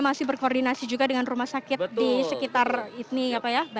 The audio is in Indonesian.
masih berkoordinasi juga dengan rumah sakit di sekitar ini apa ya